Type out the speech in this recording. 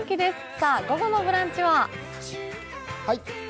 さあ、午後の「ブランチ」は？